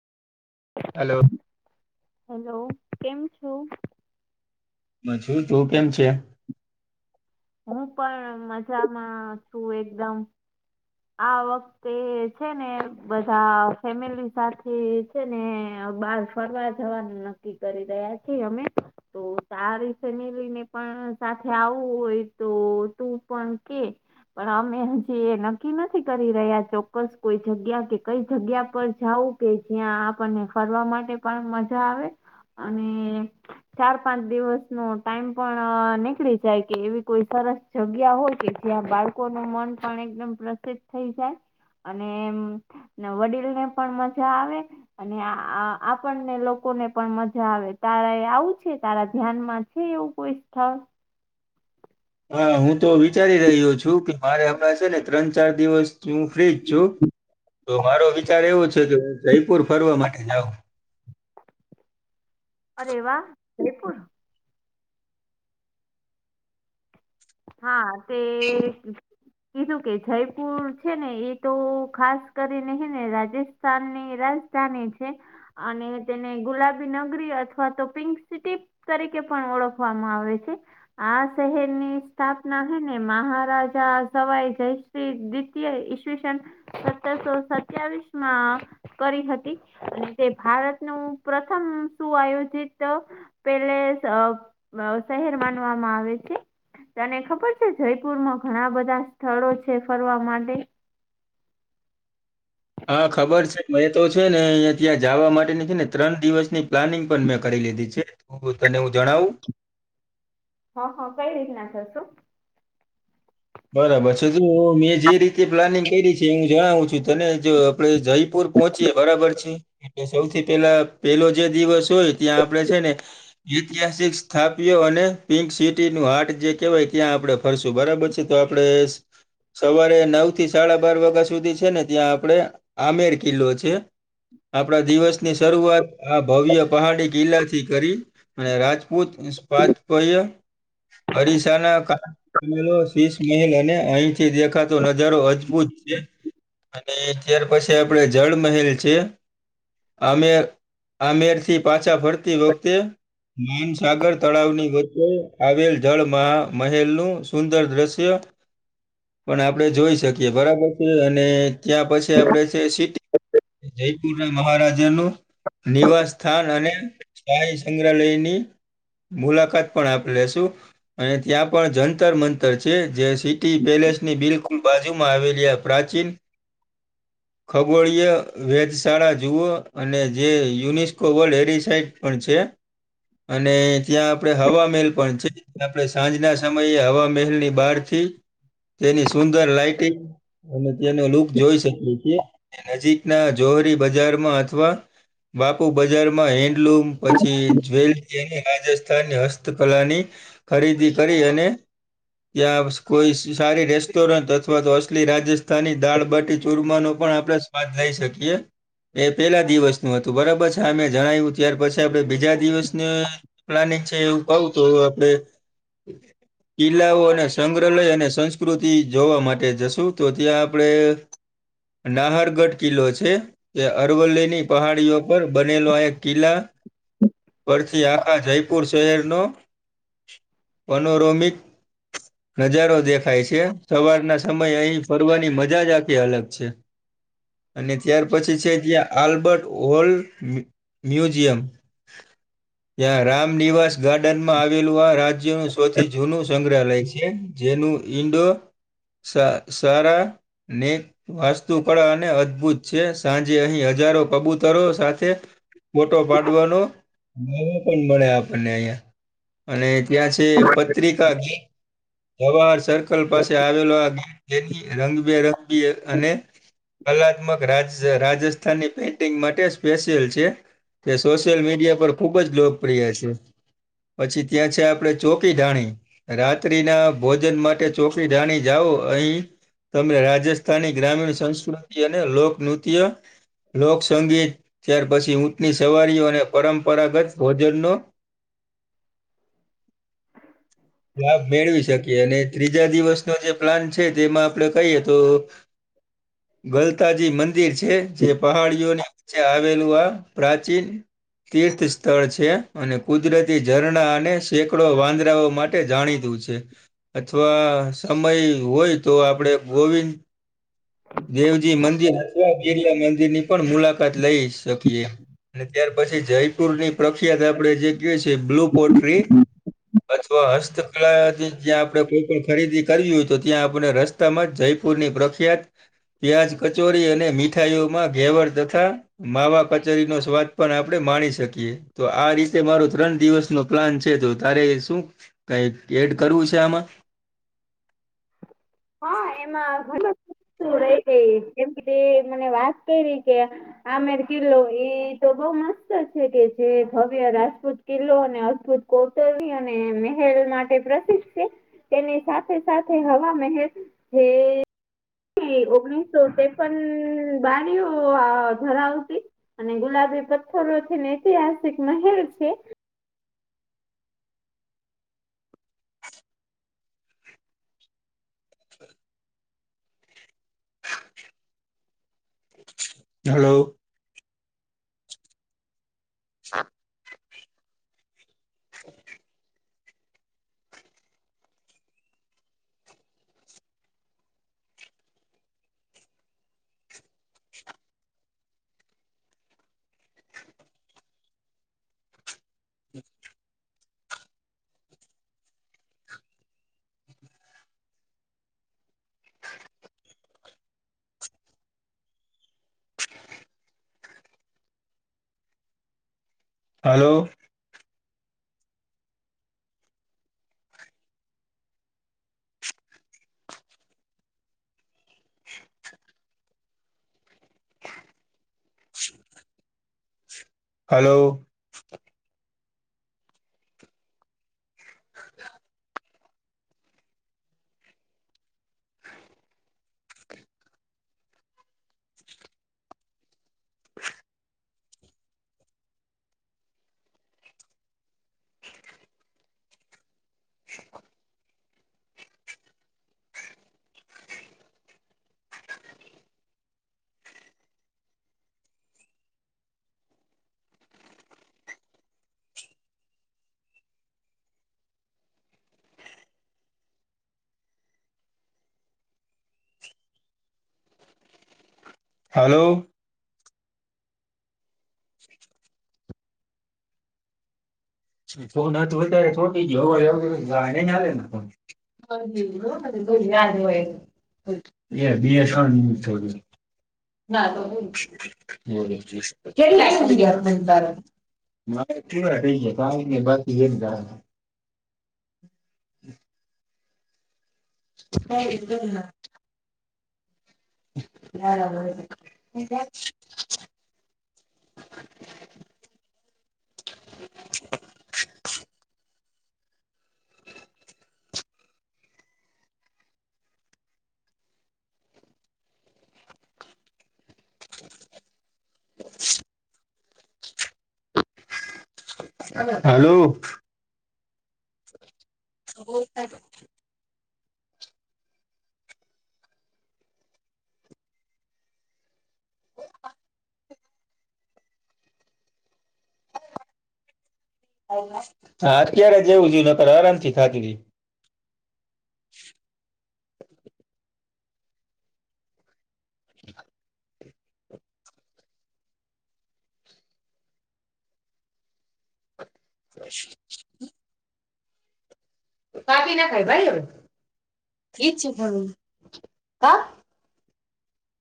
Hello. Hello કેમ છો? મછું તું કેમ છે? હું પણ મજામાં છું એકદમ આ વખ તે છે ને બધા ફેમિલી સાથે છે ને બાર ફરવા જવાનું નક્કી કરી રહ્યા છીએ અમે. તો તારી ફેમિલી ને પણ સાથે આવવું હોય તો તું પણ કે. પણ અમે હજી એ નક્કી નથી કરી રહ્યા ચોક્કસ કોઈ જગ્યા કે કઈ જગ્યા પર જાઉં. કે જ્યાં આપણને ફરવા માટે પણ મજા આવે અને ચાર પાંચ દિવસ નો ટાઈમ પણ નીકળી જાય કે એવી કોઈ સરસ જગ્યા હોય કે જ્યાં બાલકો નો મન પણ એકદમ પ્રસિદ્ધ થઈ જાય. અને અમ વડીલ ને પણ મજા આવે. અને આ આ આપણને લોકો ને પણ મજા આવે. તારા એ આવું છે તારા ધ્યાન માં છે એવું કોઈ સ્થળ. હા હું તો વિચારી રહ્યો છું કે મારે હમણા છે ને ત્રણ ચાર દિવસ હું ફ્રીજ છું. તો મારો વિચાર એવો છે કે હું જયપુર ફરવા માટે જાઉં. અરે વાહ જયપુર. હા તે કીધું કે જયપુર છે ને એ તો ખાસ કરીને હે ને રાજ સ્થાનની રાજધાની છે. અને તેને ગુલાબી નગરી અથવા તો પિંક સિટી તરીકે પણ ઓળખવામાં આવે છે આ શહેરની સ્થાપના હૈ ને મહારાજા સવાય જય શ્રી દ્વિતીયયે ઈશવીસન સત્તરસો સત્યાવીશ માં કરી હતી અને તે ભારતનનું પ્રથમ સુ આયોજિત પેલેસ અ શહેર માનવામાં આવે છે. તને ખબર છે જયપુરમાં ઘણા બધા સ્થળો છે ફરવા માટે હા ખબર છે મેં તો છે ને અહીંયા ત્યાં જવા માટેની છે ને ત્રણ દિવસની પ્લાનિંગ પણ મેં કરી લીધી છે. હુ તને હું જણાવું. હ હ કઈ રીતના જશો. બરાબર છે જો મેં જે રીતે પ્લાનિંગ કરી છે હું જણાવું છું તને જો પડે જયપુર પહોંચીએ બરાબર છે એટલે સૌથી પેલા પેલો જે દિવસ હોય ત્યાં આપણે છે ને ઈતિહાસિક સ્થાપ્યો અને પિંક સિટી નું હાટ જે કહેવાય ત્યાં આપણે ફરશું બરાબર છે તો આપડે સવારે નવ થી સાડા બાર વાગા સુધી છે ને ત્યાં આપડે આમેર કિલ્લો છે આપડા દિવસ ની શરૂઆત આ ભવ્ય પહાડી કિલ્લા થી કરી. અને રાજપૂત નિસપાથપય્ય હરીસા ના કા કિલ્લો ત્રીસ મહેલ અને અહીંથી દેખાતો નજારો અજભૂત છે. અને ત્યાર પછી આપડે જળ મહેલ છે આમે આમેર થી પાછા ફરતી વખતે મિનસાગર તળાવની વચ્ચે આવેલ જળ મહ મહેલ નું સુંદર દ્રશ્ય છે પણ આપડે જોઈ શકીએ બરાબર છે અને ત્યાં પછી આપડે છે સિટી જયપુર ના મહારાજા નું નિવાસ સ્થાન અને સ્થાય સંગ્રહાલયની મુલાકાત પણ આપ લેશું અને ત્યાં પણ જંતર મંતર છે જે સિટી પેલેસ ની બિલકુલ બાજુ માં આવેલી આ પ્રાચીન [inaudible] ખગોળીય વેધશાળા જુઓ અને જે યુનેસ્કો વર્લ્ડ હેરિસાઇટ પણ છે. અને ત્યાં આપડણે હવા મહેલ પણ છે આપણે સાંજના સમયે હવા મહેલ ની બાર થી તેની સુંદર લાઈટિંગ અને તેનો લુક જોઈ શકેએ છે. નજીકના જોહરી બજારમાં અથવા બાપુ બજારમાં એન બુલ્મ પછી જ્વેલ જેની રાજસ્થાનની હસ્તકલાની ખરીદી કરી અને ત્યાં સે કોઈ સારી રેસ્ટોરન્ટ અથવા તો અસલી રાજસ્થાની દાળબાટી ચુરમાનો પણ આપણે બાદ લઈ શકીએ. એ પેલા દિવસનું હતું બરાબર છે અમે જણાવ્યું ત્યાર પછી આપણે બીજા દિવસને પ્લાનિંગ છે એવું કહું તો આપડે કિલ્લાઓ અને સંગ્રહાલય અને સંસ્કૃતિ જોવા માટે જશું તો ત્યાં આપણે નાહરગઢ કિલ્લો છે કે અરવલ્લીની પહાડીઓ પર બનેલો એક કિલ્લા પરથી આ જયપુર શહેર નો પનોરોમિક નજારો દેખાય છે સવારના સમય અહીં ફરવાની મજા જ આખી અલગ છે. અને ત્યાર પછી છે ત્યાં. આલ્બર્ટ વલ્ડ મ મ્યુઝિયમ. ત્યાં રામનિવાસ ગાર્ડનમાં આવેલું આ રાજ્યનું સૌથી જૂનું સંગ્રહાલય છે જેનું ઇન્ડો સા સારાને વાસ્તુ કળા અને અદભુત છે સાંજે અહી હજારો કબૂતરો સાથે ફોટો પાડવાનો ભાવો પણ મળે આપણને અહિયાં અને ત્યાં છે પત્રિકા કી જવાહર સર્કલ પાસે આવેલો આ ગીત તેની રંગબેરંગી અને કલાત્મક રાજ રાજસ્થાનની પેન્ટિંગ માટે સ્પેશિયલ છે. તે સોશિયલ મીડિયા પર ખુબ જ લોકપ્રિય છે. પછી ત્યાં છે આપડે ચોકી ધાણી રાત ત્રી ના ભોજન માટે ચોકડી જાણી જાઓ અહી તમે રાજે થાની ગ્રામીણ સંસ્કૃતિ અને લોકનૃત્ય લોકસંગીત ત્યાર પછી ઊંટની સવારીઓ અને પરંપરાગત ભોજનનો લાભ મેળવી શકીએ અને ત્રીજા દિવસનો જે પ્લાન છે તેમાં આપણે કહીએ તો ગલતાજી મંદિર છે જે પહાડીઓની વચે આવેલું આ પ્રાચીન તીર્થ સ્થળ છે અને કુદરતી ઝરણા અને સેંકડો વાંદરાઓ માટે ટે જાણીતું છે અથવા સમય હોય તો આપણે ગોવિંદ દેવજી મંદિર અથવા ગીરિયા મંદિરની પણ મુલાકાત લઈ શકીએ. અને ત્યાર પછી જયપુર ની પ્રખ્યાત આપડે જે કયુ છે બ્લુ પોટ્રી તો હસ્તકલાથી જ્યાં આપણે કોઈ પણ ખરીદી કરવી હોય તો ત્યાં આપણે રસ્તામાં જઈ પૂરની પ્રખ્યાત પ્યાજ કચોરી અને મીઠાઈઓમાં ઘેવડ તથા માવા કચોરી નો સ્વાદ પણ આપણે માણી શકીએ તો આ રીતે મારો ત્રણ દિવસ નો પ્લાન છે તો તારે શું કાઈ એડ કરવું છે આમાં. હા એમાં ઘણી [unintelligible] રહી ગઈ કેમકે મને વાત કરી કે આમેર કિલ્લો એ તો બઉ મસ્ત છે કે જે ભવ્ય રાજપૂત કિલ્લો અને અદભુત કૌતરવી અને મેહેલ માટે પ્રસિદ્ધ છે. તેની સાથે સાથે હવા મેહેલ જે ઈ ઓગણીસો ટેપ્પણ બાનિયો અ ધરાવતી અને ગુલાબી પથ્થરો છે ને ઐતિહાસિક મહેલ છે. Hello. Hello hello. Hello. [inaudible] Phone હવે વધારે સોતી ગયો [unintelligible] આવે ને ફોન [unintelligible] ના આતો હું કેટી [unintelligible] મારે [unintelligible] બાકી એકલા [unintelligible] ઘરમાં બરાબર [unintelligible] [inaudible] [inaudible] હલો. [unintelligible] હા અત્યારે જવું જોઈ નતર આરામ થી થાકી જઈ. [inaudible] કાપી નખાય ભાઈ હવે, ઈજ પણ કાપ.